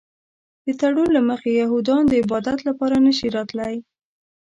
د تړون له مخې یهودان د عبادت لپاره نه شي راتلی.